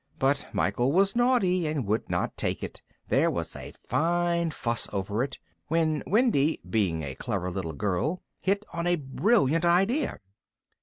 But Michael was naughty, and would not take it; there was a fine fuss over it, when Wendy, being a clever little girl, hit on a brilliant idea.